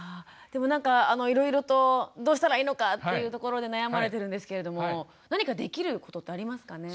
でもなんかいろいろとどうしたらいいのかっていうところで悩まれてるんですけれども何かできることってありますかね？